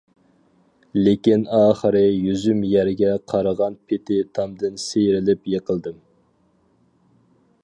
لېكىن ئاخىرى يۈزۈم يەرگە قارىغان پىتى تامدىن سىيرىلىپ يىقىلدىم.